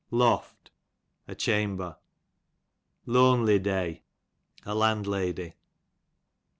Loft, a chamber, Lonleydcy, a landlady.